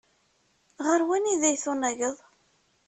Ɣer wanida ay tunageḍ?